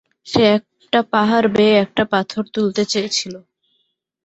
সে একটা পাহাড় বেয়ে একটা পাথর তুলতে চেয়েছিল।